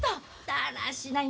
だらしない！